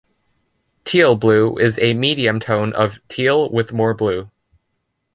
Teal blue is a medium tone of teal with more blue.